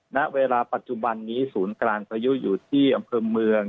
ณเวลาปัจจุบันนี้ศูนย์กลางพายุอยู่ที่อำเภอเมือง